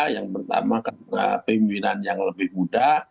yang pertama karena pimpinan yang lebih muda